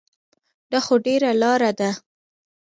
دا خو ډېره لاره ده.